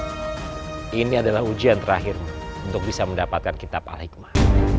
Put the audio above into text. tapi ini adalah ujian terakhir untuk bisa mendapatkan kitab al hikmah